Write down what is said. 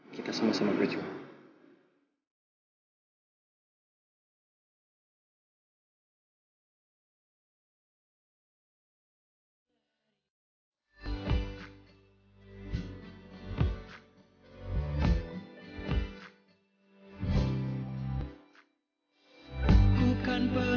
kita sama sama berjuang